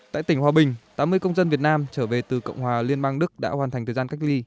tại tỉnh hòa bình tám mươi công dân việt nam trở về từ cộng hòa liên bang đức đã hoàn thành thời gian cách ly